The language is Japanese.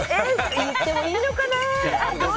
言ってもいいのかな。